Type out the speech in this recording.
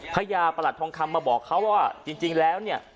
พระยาประหลัดทองคำมาบอกเขาว่าจริงแล้วเนี่ย